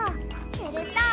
すると。